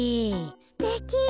すてき。